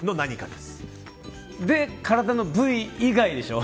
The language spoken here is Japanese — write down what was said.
で、体の部位以外でしょ。